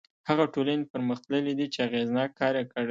هغه ټولنې پرمختللي دي چې اغېزناک کار یې کړی.